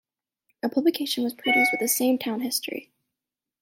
A publication was produced with some town history.